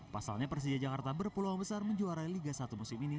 pasalnya persija jakarta berpeluang besar menjuarai liga satu musim ini